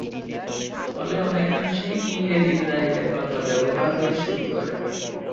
ফলে অনেকাংশেই ইংরেজির জায়গায় বাংলা ব্যবহার হতে শুরু করে।